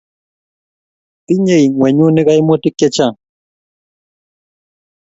tinyei ng'wenyuni kaimutik chechang